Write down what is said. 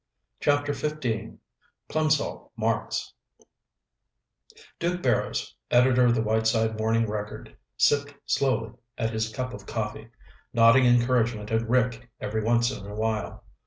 CHAPTER XV Plimsoll Marks Duke Barrows, editor of the Whiteside Morning Record, sipped slowly at his cup of coffee, nodding encouragement at Rick every once in a while.